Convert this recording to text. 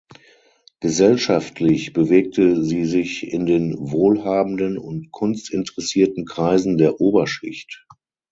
Gesellschaftlich bewegte sie sich in den wohlhabenden und kunstinteressierten Kreisen der Oberschicht.